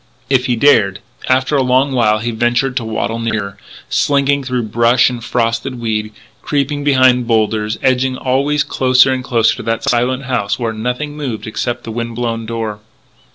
If he dared And after a long while he ventured to waddle nearer, slinking through brush and frosted weed, creeping behind boulders, edging always closer and closer to that silent house where nothing moved except the wind blown door.